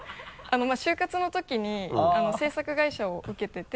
まぁ就活のときに制作会社を受けてて。